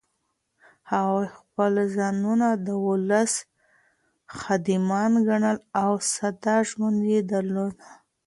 هغوی خپل ځانونه د ولس خادمان ګڼل او ساده ژوند یې درلود.